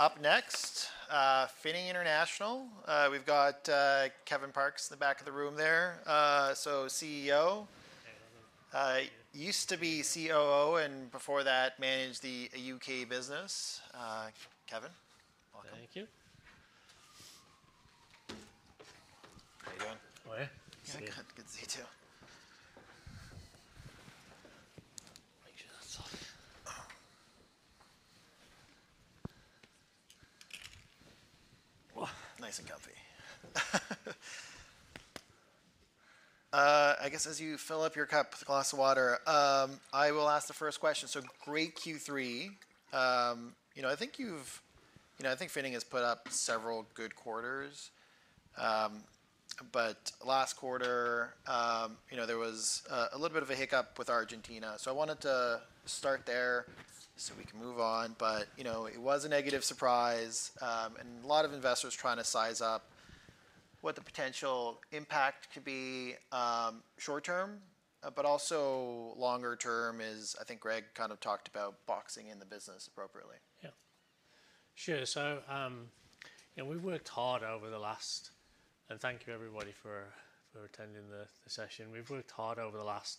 Up next, Finning International. We've got Kevin Parkes in the back of the room there. So CEO. Hey. Used to be COO, and before that, managed the U.K. business. Kevin, welcome. Thank you. How you doing? Well, yeah. Good, good to see you, too. Make sure that's off. Oh. Well, nice and comfy. I guess as you fill up your cup, glass of water, I will ask the first question. So great Q3. You know, I think Finning has put up several good quarters. But last quarter, you know, there was a little bit of a hiccup with Argentina, so I wanted to start there so we can move on. But, you know, it was a negative surprise, and a lot of investors trying to size up what the potential impact could be, short term, but also longer term is... I think Greg kind of talked about boxing in the business appropriately. Yeah. Sure, so, you know, thank you, everybody, for attending the session. We've worked hard over the last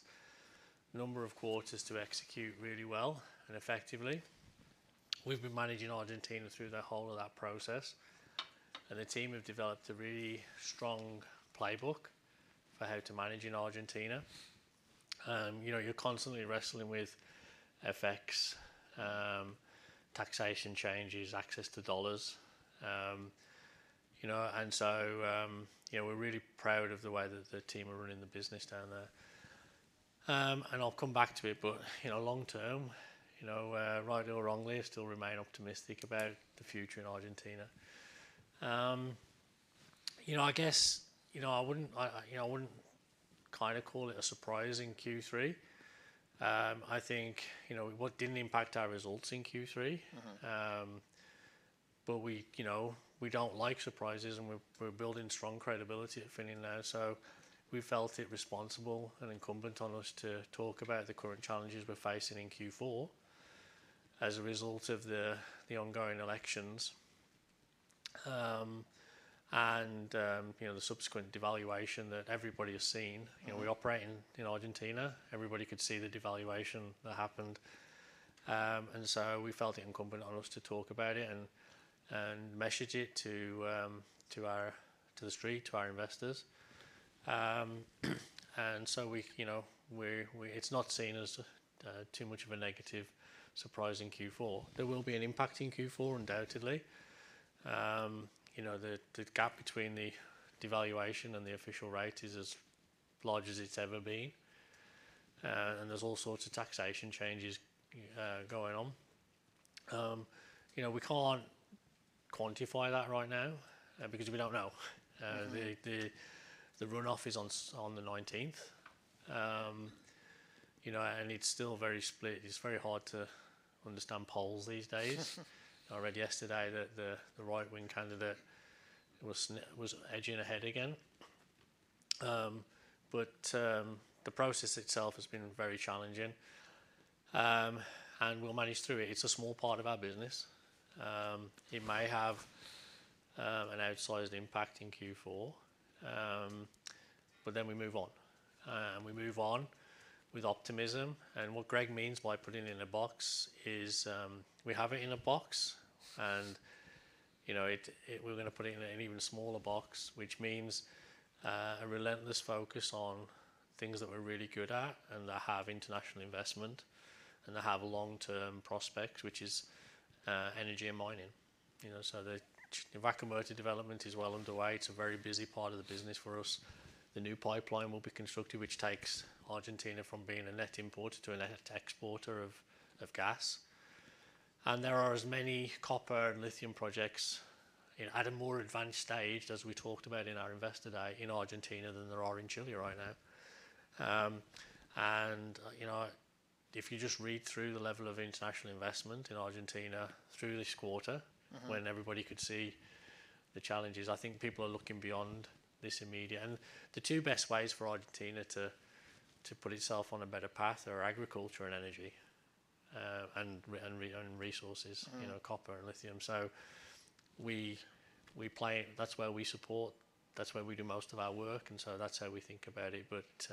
number of quarters to execute really well and effectively. We've been managing Argentina through the whole of that process, and the team have developed a really strong playbook for how to manage in Argentina. You know, you're constantly wrestling with FX, taxation changes, access to dollars. You know, and so, you know, we're really proud of the way that the team are running the business down there. And I'll come back to it, but, you know, long term, you know, rightly or wrongly, I still remain optimistic about the future in Argentina. You know, I guess, you know, I wouldn't kind of call it a surprise in Q3. I think, you know, what didn't impact our results in Q3- Mm-hmm. But, you know, we don't like surprises, and we're building strong credibility at Finning now, so we felt it responsible and incumbent on us to talk about the current challenges we're facing in Q4 as a result of the ongoing elections. And, you know, the subsequent devaluation that everybody has seen. Mm-hmm. You know, we operate in Argentina. Everybody could see the devaluation that happened. So we felt it incumbent on us to talk about it and message it to the street, to our investors. So we, you know, we're. It's not seen as too much of a negative surprise in Q4. There will be an impact in Q4, undoubtedly. You know, the gap between the devaluation and the official rate is as large as it's ever been, and there's all sorts of taxation changes going on. You know, we can't quantify that right now, because we don't know. Mm-hmm. The runoff is on the nineteenth. You know, and it's still very split. It's very hard to understand polls these days. I read yesterday that the right-wing candidate was edging ahead again. But the process itself has been very challenging, and we'll manage through it. It's a small part of our business. It may have an outsized impact in Q4, but then we move on. We move on with optimism, and what Greg means by putting it in a box is, we have it in a box, and, you know, it. We're gonna put it in an even smaller box, which means, a relentless focus on things that we're really good at and that have international investment and that have long-term prospects, which is, energy and mining. You know, so the Vaca Muerta development is well underway. It's a very busy part of the business for us. The new pipeline will be constructed, which takes Argentina from being a net importer to a net exporter of gas. And there are as many copper and lithium projects in at a more advanced stage, as we talked about in our Investor Day, in Argentina than there are in Chile right now. You know, if you just read through the level of international investment in Argentina through this quarter- Mm-hmm... when everybody could see the challenges, I think people are looking beyond this immediate. And the two best ways for Argentina to put itself on a better path are agriculture and energy, and resources- Mm-hmm... you know, copper and lithium. So we play. That's where we support, that's where we do most of our work, and so that's how we think about it. But,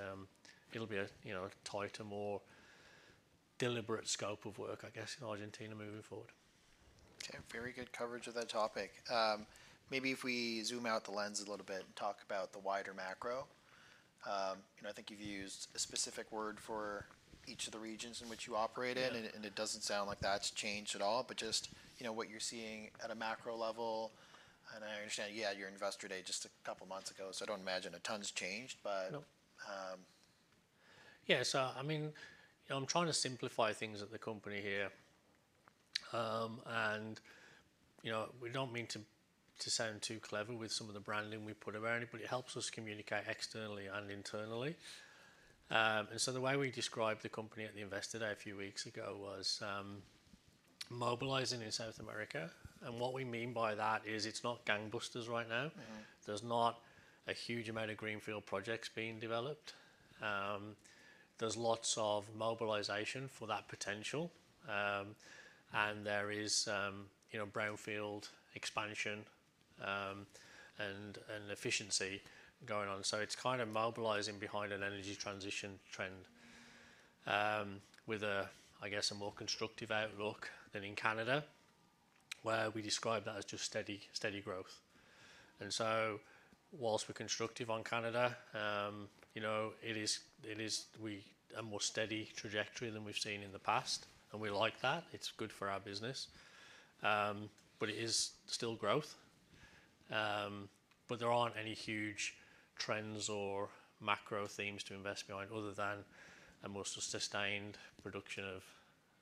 it'll be a, you know, tighter, more deliberate scope of work, I guess, in Argentina moving forward. Okay, very good coverage of that topic. Maybe if we zoom out the lens a little bit and talk about the wider macro. You know, I think you've used a specific word for each of the regions in which you operate in- Yeah... and it doesn't sound like that's changed at all, but just, you know, what you're seeing at a macro level. I understand, yeah, your Investor Day just a couple of months ago, so I don't imagine a ton's changed, but- Nope... um. Yeah, so I mean, you know, I'm trying to simplify things at the company here. You know, we don't mean to sound too clever with some of the branding we put around it, but it helps us communicate externally and internally. So the way we described the company at the Investor Day a few weeks ago was mobilizing in South America, and what we mean by that is it's not gangbusters right now. Mm-hmm. There's not a huge amount of greenfield projects being developed. There's lots of mobilization for that potential. And there is, you know, brownfield expansion, and efficiency going on. So it's kind of mobilizing behind an energy transition trend, with a, I guess, a more constructive outlook than in Canada, where we describe that as just steady, steady growth. And so while we're constructive on Canada, you know, it is a more steady trajectory than we've seen in the past, and we like that. It's good for our business. But it is still growth. But there aren't any huge trends or macro themes to invest behind, other than a more sustained production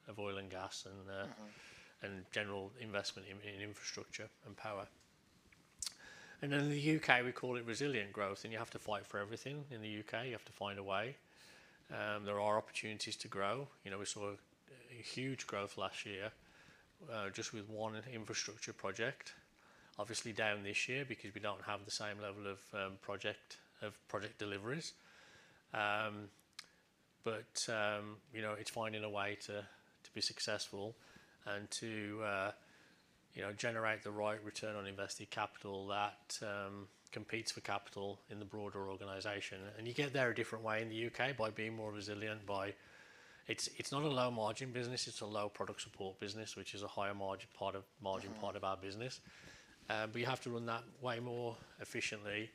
of oil and gas, and Mm-hmm. And general investment in infrastructure and power. And in the U.K., we call it resilient growth, and you have to fight for everything in the U.K. You have to find a way. There are opportunities to grow. You know, we saw a huge growth last year, just with one infrastructure project. Obviously, down this year because we don't have the same level of project deliveries. But you know, it's finding a way to be successful and to, you know, generate the right return on invested capital that competes for capital in the broader organization. And you get there a different way in the U.K. by being more resilient, by... It's not a low-margin business, it's a low product support business, which is a higher margin part of- Mm-hmm... margin part of our business. But you have to run that way more efficiently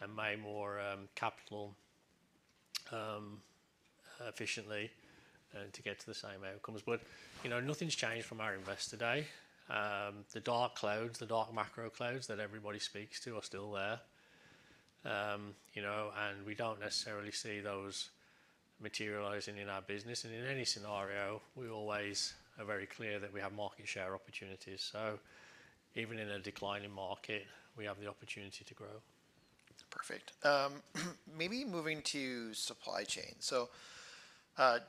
and way more capital efficiently to get to the same outcomes. But, you know, nothing's changed from our Investor Day. The dark clouds, the dark macro clouds that everybody speaks to, are still there. You know, and we don't necessarily see those materializing in our business. And in any scenario, we always are very clear that we have market share opportunities. So even in a declining market, we have the opportunity to grow. Perfect. Maybe moving to supply chain. So,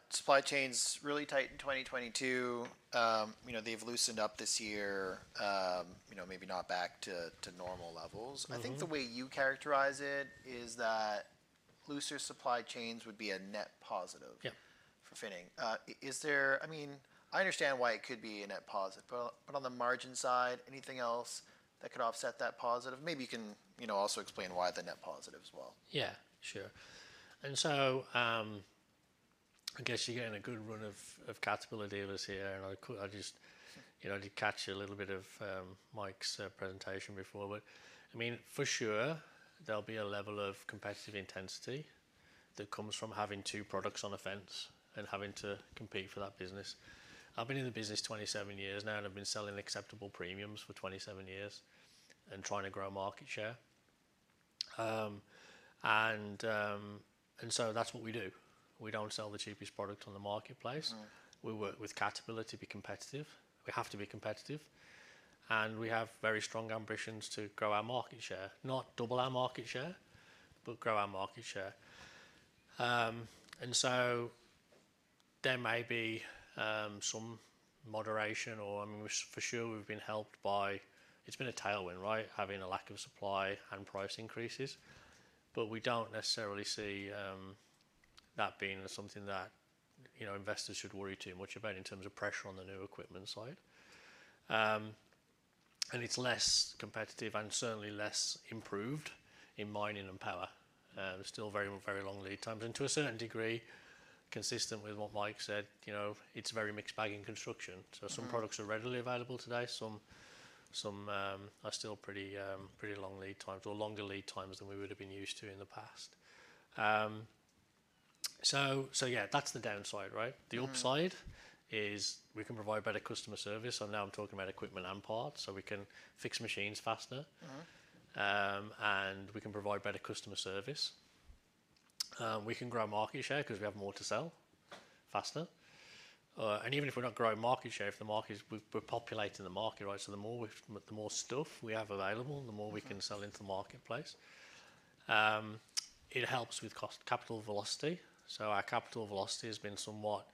supply chain's really tight in 2022. You know, they've loosened up this year, you know, maybe not back to normal levels. Mm-hmm. I think the way you characterize it is that looser supply chains would be a net positive- Yeah for Finning. Is there... I mean, I understand why it could be a net positive, but, but on the margin side, anything else that could offset that positive? Maybe you can, you know, also explain why the net positive as well. Yeah, sure. So, I guess you're getting a good run of Caterpillar dealers here, and I could—I just, you know, did catch a little bit of Mike's presentation before. But I mean, for sure, there'll be a level of competitive intensity that comes from having two products on the fence and having to compete for that business. I've been in the business 27 years now, and I've been selling acceptable premiums for 27 years and trying to grow market share. So that's what we do. We don't sell the cheapest product on the marketplace. Mm. We work with Caterpillar to be competitive. We have to be competitive, and we have very strong ambitions to grow our market share. Not double our market share, but grow our market share. And so there may be some moderation or, I mean, for sure, we've been helped by... It's been a tailwind, right? Having a lack of supply and price increases. But we don't necessarily see that being something that, you know, investors should worry too much about in terms of pressure on the new equipment side. And it's less competitive and certainly less improved in mining and power. There's still very, very long lead times. And to a certain degree, consistent with what Mike said, you know, it's a very mixed bag in construction. Mm-hmm. So some products are readily available today, some are still pretty, pretty long lead times or longer lead times than we would have been used to in the past. So yeah, that's the downside, right? Mm. The upside is we can provide better customer service, and now I'm talking about equipment and parts, so we can fix machines faster. Mm. And we can provide better customer service. We can grow market share because we have more to sell, faster. And even if we're not growing market share, we're populating the market, right? So the more we... The more stuff we have available- Mm... the more we can sell into the marketplace. It helps with cost capital velocity. So our capital velocity has been somewhat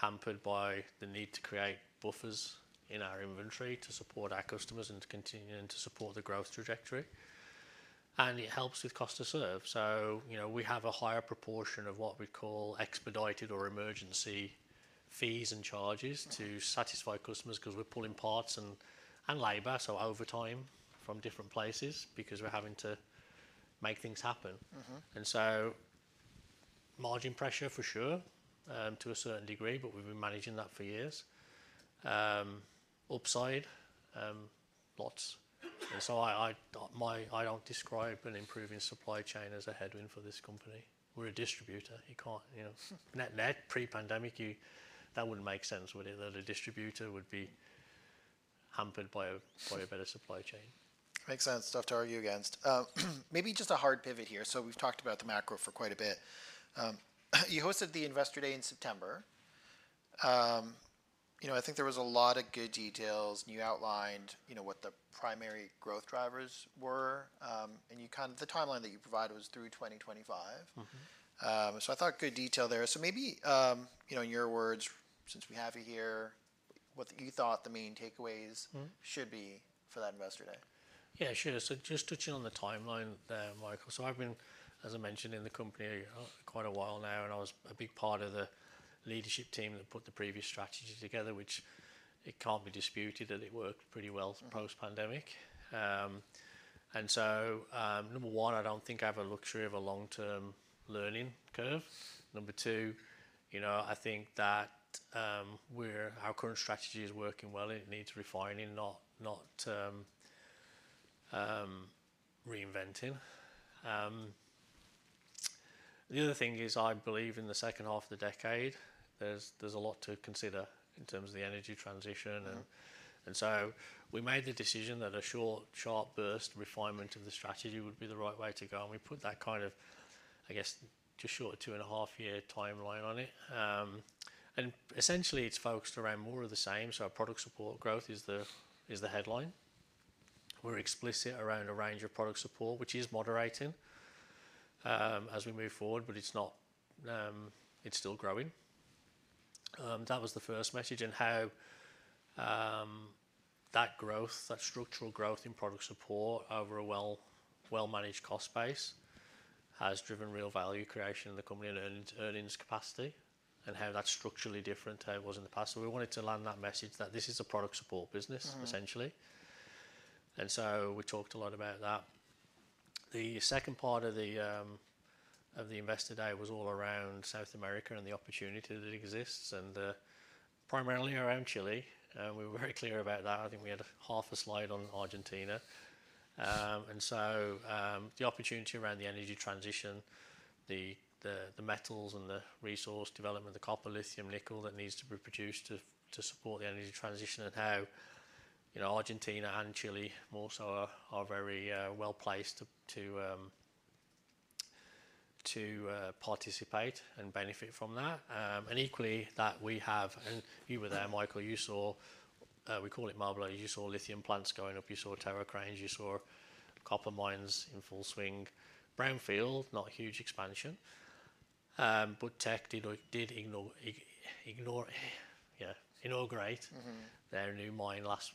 hampered by the need to create buffers in our inventory to support our customers and to continue to support the growth trajectory. And it helps with cost to serve. So, you know, we have a higher proportion of what we call expedited or emergency fees and charges- Mm... to satisfy customers 'cause we're pulling parts and labor, so overtime from different places, because we're having to make things happen. Mm-hmm. And so margin pressure, for sure, to a certain degree, but we've been managing that for years. Upside, lots. And so I don't describe an improving supply chain as a headwind for this company. We're a distributor. You can't, you know- Mm... net, net, pre-pandemic, you, that wouldn't make sense, would it? That a distributor would be hampered by a, by a better supply chain. Makes sense. Tough to argue against. Maybe just a hard pivot here. So we've talked about the macro for quite a bit. You hosted the Investor Day in September. You know, I think there was a lot of good details, and you outlined, you know, what the primary growth drivers were. And the timeline that you provided was through 2025. So I thought good detail there. So maybe, you know, in your words, since we have you here, what you thought the main takeaways- Mm-hmm. Should be for that investor day? Yeah, sure. So just to touch on the timeline there, Michael. So I've been, as I mentioned, in the company quite a while now, and I was a big part of the leadership team that put the previous strategy together, which it can't be disputed that it worked pretty well- Mm-hmm. post-pandemic. And so, number one, I don't think I have a luxury of a long-term learning curve. Number two, you know, I think that our current strategy is working well. It needs refining, not reinventing. The other thing is, I believe in the second half of the decade, there's a lot to consider in terms of the energy transition and- Mm. -and so we made the decision that a short, sharp burst refinement of the strategy would be the right way to go, and we put that kind of, I guess, just short 2.5-year timeline on it. And essentially, it's focused around more of the same. So our product support growth is the, is the headline. We're explicit around a range of product support, which is moderating, as we move forward, but it's not... it's still growing. That was the first message, and how, that growth, that structural growth in product support over a well, well-managed cost base, has driven real value creation in the company and earnings, earnings capacity, and how that's structurally different to how it was in the past. So we wanted to land that message that this is a product support business- Mm-hmm... essentially. And so we talked a lot about that. The second part of the, of the investor day was all around South America and the opportunity that exists, and, primarily around Chile. We were very clear about that. I think we had a half a slide on Argentina. And so, the opportunity around the energy transition, the metals and the resource development, the copper, lithium, nickel that needs to be produced to support the energy transition, and how, you know, Argentina and Chile more so are very well-placed to participate and benefit from that. And equally, that we have, and you were there, Michael, you saw, we call it Albemarle. You saw lithium plants going up. You saw tower cranes. You saw copper mines in full swing. Brownfield, not a huge expansion. But Teck did ignore, yeah, inaugurate- Mm-hmm... their new mine last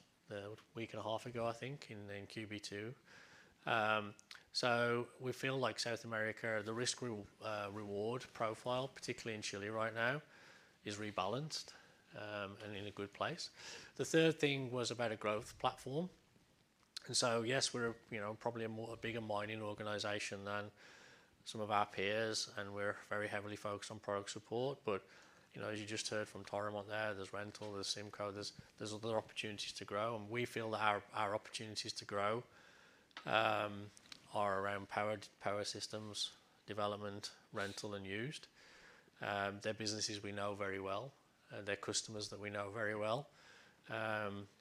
week and a half ago, I think, in QB2. So we feel like South America, the risk-reward profile, particularly in Chile right now, is rebalanced and in a good place. The third thing was about a growth platform. And so, yes, we're, you know, probably a more, a bigger mining organization than some of our peers, and we're very heavily focused on product support, but, you know, as you just heard from Toromont there, there's rental, there's CIMCO, there's other opportunities to grow, and we feel that our opportunities to grow are around power systems, development, rental and used. They're businesses we know very well, and they're customers that we know very well.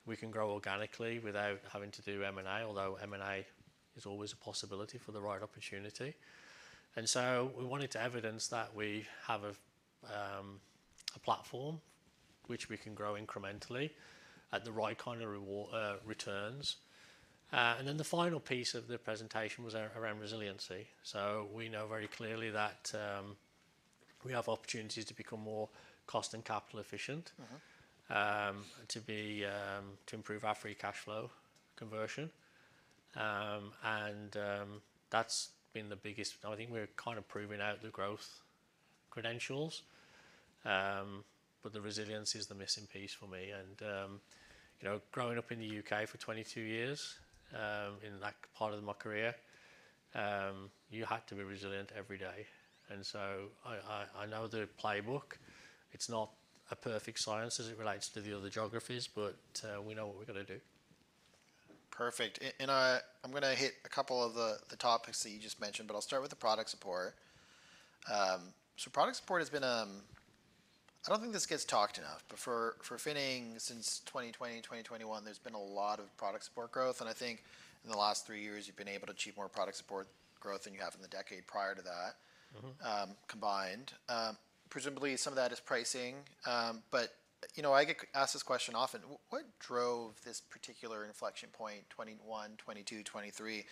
We can grow organically without having to do M&A, although M&A is always a possibility for the right opportunity. And so we wanted to evidence that we have a platform which we can grow incrementally at the right kind of reward returns. And then the final piece of the presentation was around resiliency. So we know very clearly that we have opportunities to become more cost and capital efficient. Mm-hmm... to be, to improve our free cash flow conversion. And, that's been the biggest... I think we're kind of proving out the growth credentials, but the resilience is the missing piece for me. And, you know, growing up in the U.K. for 22 years, in that part of my career, you had to be resilient every day. And so I know the playbook. It's not a perfect science as it relates to the other geographies, but, we know what we've gotta do. Perfect. I'm gonna hit a couple of the topics that you just mentioned, but I'll start with the Product Support. Product Support has been, I don't think this gets talked enough, but for Finning, since 2020, 2021, there's been a lot of Product Support growth, and I think in the last three years, you've been able to achieve more Product Support growth than you have in the decade prior to that- Mm-hmm... combined. Presumably, some of that is pricing, but, you know, I get asked this question often: What drove this particular inflection point, 2021, 2022, 2023?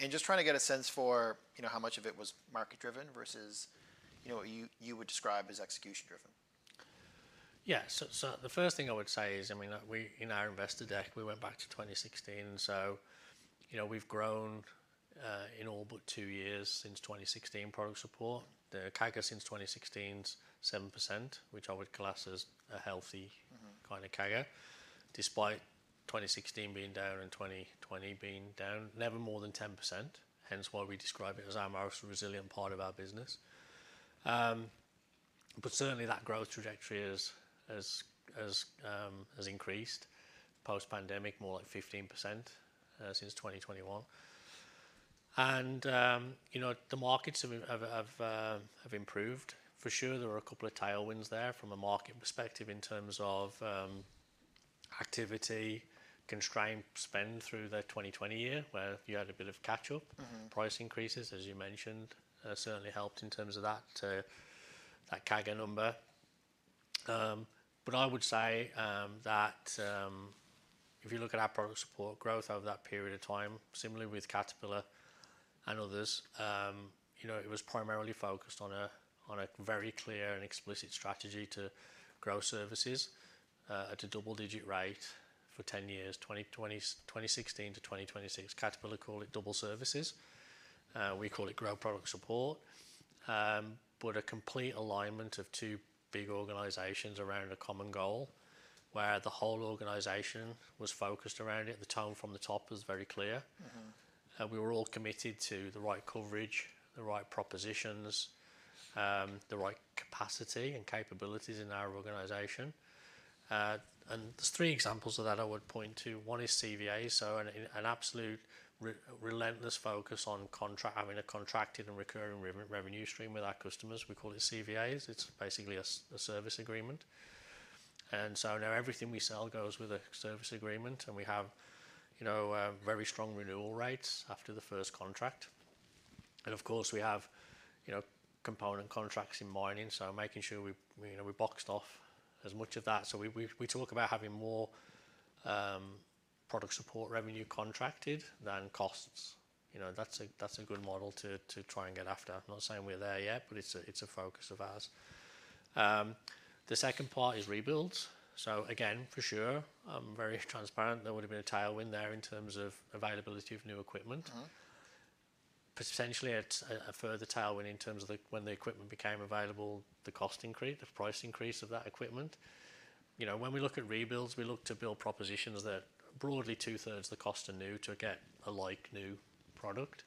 And just trying to get a sense for, you know, how much of it was market-driven versus, you know, what you, you would describe as execution-driven. Yeah. So, so the first thing I would say is, I mean, we, in our investor deck, we went back to 2016, so, you know, we've grown in all but two years since 2016, product support. The CAGR since 2016 is 7%, which I would class as a healthy- Mm-hmm... kind of CAGR, despite 2016 being down and 2020 being down, never more than 10%, hence why we describe it as our most resilient part of our business. But certainly that growth trajectory has increased. Post-pandemic, more like 15%, since 2021. And, you know, the markets have improved. For sure, there were a couple of tailwinds there from a market perspective in terms of activity, constrained spend through the 2020 year, where you had a bit of catch-up. Mm-hmm. Price increases, as you mentioned, certainly helped in terms of that CAGR number. But I would say that if you look at our product support growth over that period of time, similarly with Caterpillar and others, you know, it was primarily focused on a very clear and explicit strategy to grow services at a double-digit rate for 10 years, 2016 to 2026. Caterpillar call it double services, we call it grow product support. But a complete alignment of two big organizations around a common goal, where the whole organization was focused around it. The tone from the top was very clear. Mm-hmm. We were all committed to the right coverage, the right propositions, the right capacity and capabilities in our organization. There's three examples of that I would point to. One is CVAs, so an absolute relentless focus on having a contracted and recurring revenue stream with our customers. We call it CVAs. It's basically a service agreement. And so now everything we sell goes with a service agreement, and we have, you know, very strong renewal rates after the first contract. And of course, we have, you know, component contracts in mining, so making sure we, you know, we boxed off as much of that. So we talk about having more product support revenue contracted than costs. You know, that's a good model to try and get after. I'm not saying we're there yet, but it's a, it's a focus of ours. The second part is rebuilds. So again, for sure, I'm very transparent. There would have been a tailwind there in terms of availability of new equipment. Mm-hmm. Potentially, it's a further tailwind in terms of the... when the equipment became available, the cost increased, the price increase of that equipment. You know, when we look at rebuilds, we look to build propositions that are broadly two-thirds the cost of new to get a like-new product.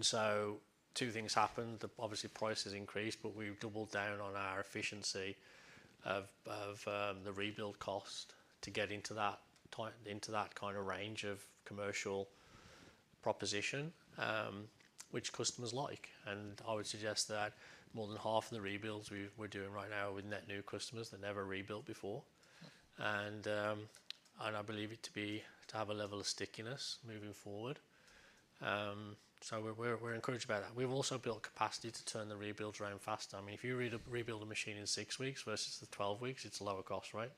So two things happened. Obviously, prices increased, but we've doubled down on our efficiency of the rebuild cost to get into that kind of range of commercial proposition, which customers like. And I would suggest that more than half of the rebuilds we're doing right now are with net new customers that never rebuilt before. Mm-hmm. I believe it to be to have a level of stickiness moving forward. So we're encouraged by that. We've also built capacity to turn the rebuilds around faster. I mean, if you rebuild a machine in six weeks versus the twelve weeks, it's a lower cost, right?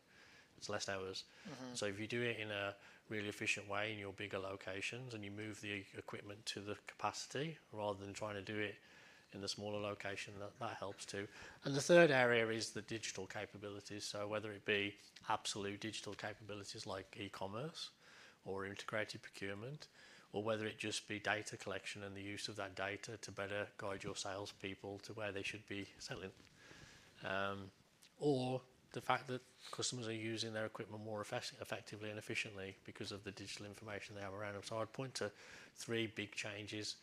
It's less hours. Mm-hmm. So if you do it in a really efficient way in your bigger locations, and you move the equipment to the capacity rather than trying to do it in the smaller location, that helps, too. And the third area is the digital capabilities. So whether it be absolute digital capabilities like e-commerce or integrated procurement, or whether it just be data collection and the use of that data to better guide your salespeople to where they should be selling. Or the fact that customers are using their equipment more effectively and efficiently because of the digital information they have around them. So I'd point to three big changes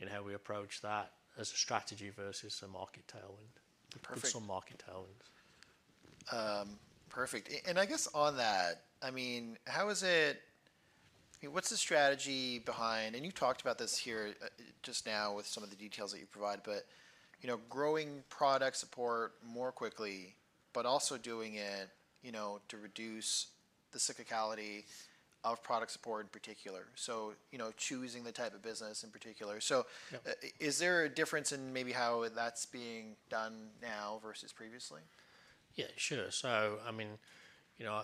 in how we approach that as a strategy versus a market tailwind. Perfect. Good market tailwinds. Perfect. And I guess on that, I mean, how is it... What's the strategy behind, and you talked about this here, just now with some of the details that you provided, but, you know, growing Product Support more quickly, but also doing it, you know, to reduce the cyclicality of Product Support, in particular. So, you know, choosing the type of business in particular. Yeah. So, is there a difference in maybe how that's being done now versus previously? Yeah, sure. So I mean, you know,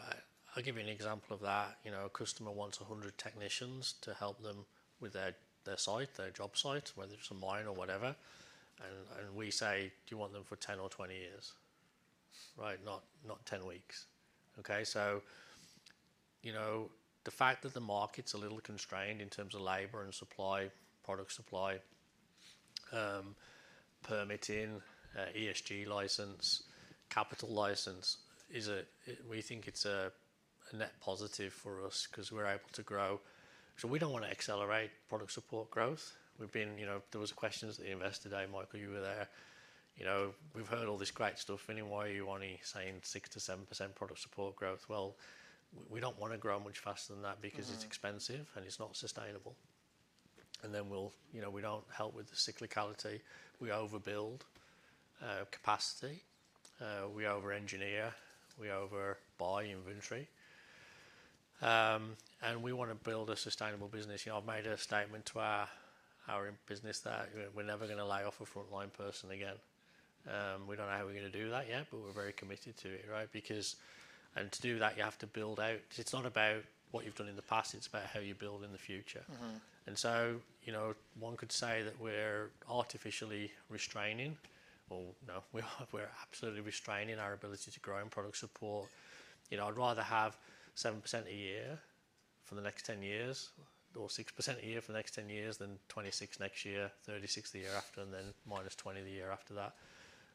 I'll give you an example of that. You know, a customer wants 100 technicians to help them with their, their site, their job site, whether it's a mine or whatever, and, and we say: "Do you want them for 10 or 20 years?" Right? Not 10 weeks. Okay, so, you know, the fact that the market's a little constrained in terms of labor and supply, product supply, permitting, ESG license, capital license, is a... We think it's a net positive for us 'cause we're able to grow. So we don't want to accelerate product support growth. We've been, you know, there was questions at the investor day, Michael, you were there. You know, we've heard all this great stuff, and then why are you only saying 6%-7% product support growth? Well, we don't want to grow much faster than that- Mm... because it's expensive, and it's not sustainable. And then we'll, you know, we don't help with the cyclicality. We overbuild capacity, we over-engineer, we over-buy inventory. And we want to build a sustainable business. You know, I've made a statement to our, our business that we're, we're never going to lay off a frontline person again. We don't know how we're going to do that yet, but we're very committed to it, right? Because... And to do that, you have to build out. It's not about what you've done in the past; it's about how you build in the future. Mm-hmm. And so, you know, one could say that we're artificially restraining or, no, we are, we're absolutely restraining our ability to grow in product support. You know, I'd rather have 7% a year for the next 10 years or 6% a year for the next 10 years, than 26 next year, 36 the year after, and then minus 20 the year after that.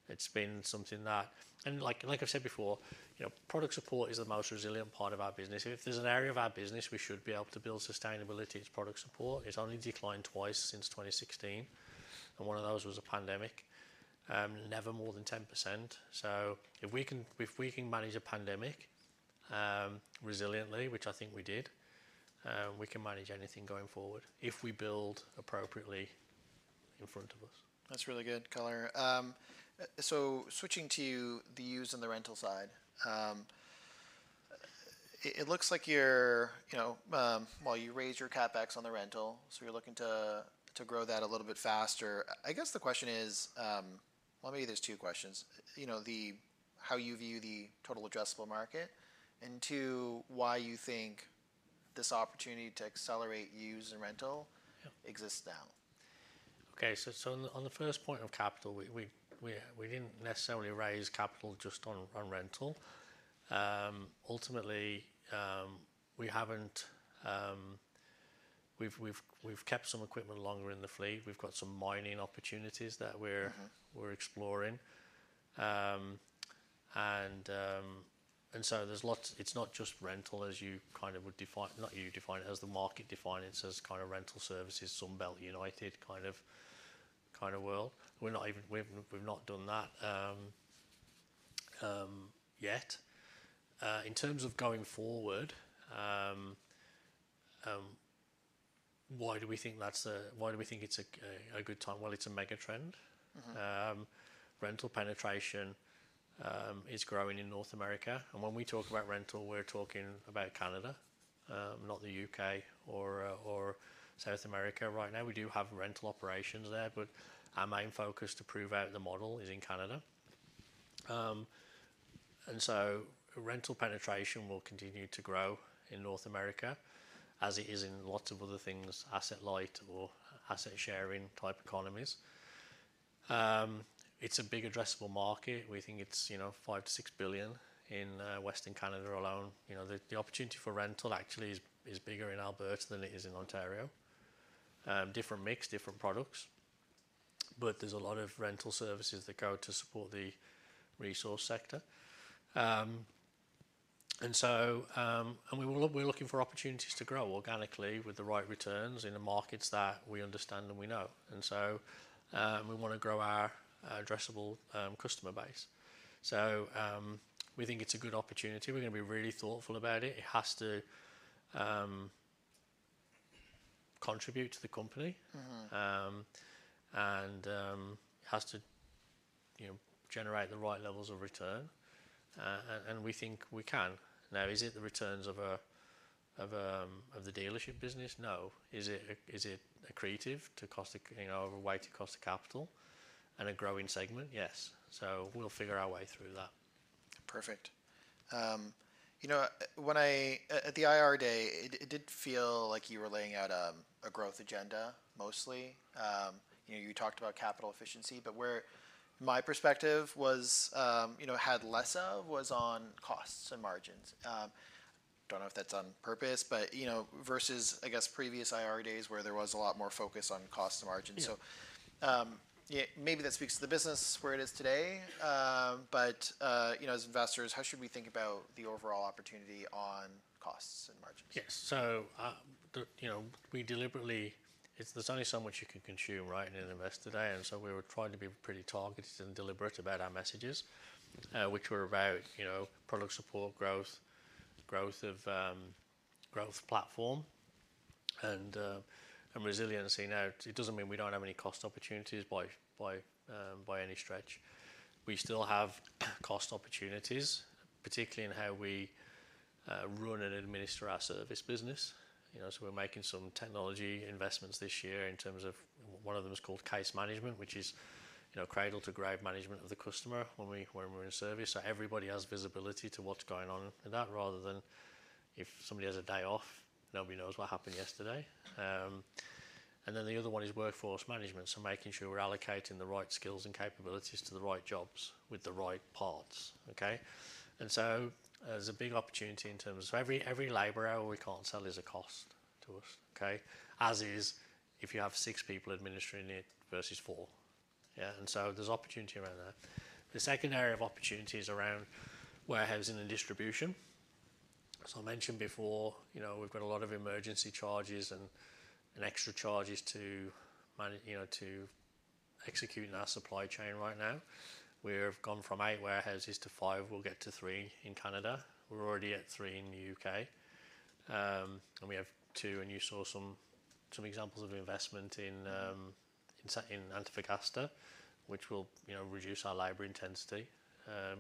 It's been something that... And like, like I said before, you know, product support is the most resilient part of our business. If there's an area of our business we should be able to build sustainability, it's product support. It's only declined twice since 2016, and one of those was a pandemic. Never more than 10%. So if we can manage a pandemic resiliently, which I think we did, we can manage anything going forward if we build appropriately in front of us. That's really good color. So switching to the used and the rental side, it looks like you're, you know, while you raise your CapEx on the rental, so you're looking to grow that a little bit faster. I guess the question is, well, maybe there's two questions. You know, how you view the total addressable market, and two, why you think this opportunity to accelerate used and rental- Yeah. -exists now? Okay. So on the first point of capital, we didn't necessarily raise capital just on rental. Ultimately, we haven't... we've kept some equipment longer in the fleet. We've got some mining opportunities that we're- Mm-hmm... we're exploring. And so there's lots. It's not just rental, as you kind of would define, not you define it, as the market defines it, as kind of rental services, Sunbelt, United kind of world. We're not even. We've not done that yet. In terms of going forward, why do we think it's a good time? Well, it's a mega trend. Mm-hmm. Rental penetration is growing in North America, and when we talk about rental, we're talking about Canada, not the UK or South America. Right now, we do have rental operations there, but our main focus to prove out the model is in Canada. Rental penetration will continue to grow in North America, as it is in lots of other things, asset light or asset sharing type economies. It's a big addressable market. We think it's, you know, 5 billion-6 billion in Western Canada alone. You know, the opportunity for rental actually is bigger in Alberta than it is in Ontario. Different mix, different products, but there's a lot of rental services that go to support the resource sector. And so we will... We're looking for opportunities to grow organically with the right returns in the markets that we understand and we know. And so, we wanna grow our addressable customer base. So, we think it's a good opportunity. We're gonna be really thoughtful about it. It has to contribute to the company- Mm-hmm... and it has to, you know, generate the right levels of return, and we think we can. Now, is it the returns of the dealership business? No. Is it accretive to cost, you know, weighted cost of capital and a growing segment? Yes. So we'll figure our way through that. Perfect. You know, at the IR day, it did feel like you were laying out a growth agenda, mostly. You know, you talked about capital efficiency, but where my perspective was, you know, had less of, was on costs and margins. Don't know if that's on purpose, but you know, versus, I guess, previous IR days, where there was a lot more focus on costs and margins. Yeah. So, yeah, maybe that speaks to the business where it is today. But, you know, as investors, how should we think about the overall opportunity on costs and margins? Yes. So, the, you know, we deliberately... It's, there's only so much you can consume, right, in an Investor Day, and so we were trying to be pretty targeted and deliberate about our messages, which were about, you know, product support, growth, growth of, growth platform and, and resiliency. Now, it doesn't mean we don't have any cost opportunities by, by, by any stretch. We still have cost opportunities, particularly in how we, run and administer our service business. You know, so we're making some technology investments this year in terms of... One of them is called case management, which is, you know, cradle-to-grave management of the customer when we, when we're in service. So everybody has visibility to what's going on in that, rather than if somebody has a day off, nobody knows what happened yesterday. And then the other one is workforce management, so making sure we're allocating the right skills and capabilities to the right jobs with the right parts. Okay? And so, there's a big opportunity in terms of every labor hour we can't sell is a cost to us, okay? As is, if you have six people administering it versus four. Yeah, and so there's opportunity around that. The second area of opportunity is around warehousing and distribution. As I mentioned before, you know, we've got a lot of emergency charges and extra charges to manage, you know, to executing our supply chain right now. We've gone from eight warehouses to five. We'll get to three in Canada. We're already at three in the U.K. And we have two, and you saw some examples of investment in, in San... in Antofagasta, which will, you know, reduce our labor intensity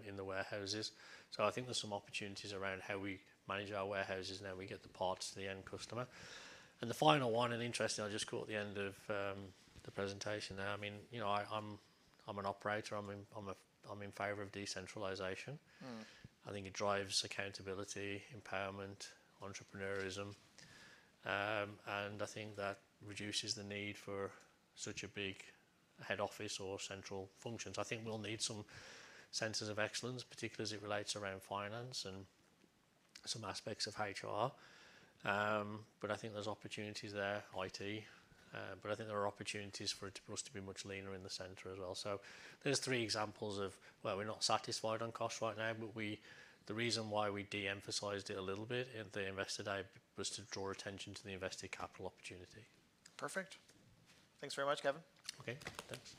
in the warehouses. So I think there's some opportunities around how we manage our warehouses and how we get the parts to the end customer. And the final one, and interestingly, I just caught the end of the presentation. I mean, you know, I'm an operator. I'm in favor of decentralization. Mm. I think it drives accountability, empowerment, entrepreneurism, and I think that reduces the need for such a big head office or central functions. I think we'll need some centers of excellence, particularly as it relates around finance and some aspects of HR. But I think there's opportunities there, IT, but I think there are opportunities for it to, for us to be much leaner in the center as well. So there's three examples of where we're not satisfied on cost right now, but we, the reason why we de-emphasized it a little bit at the Investor Day, was to draw attention to the invested capital opportunity. Perfect. Thanks very much, Kevin. Okay, thanks.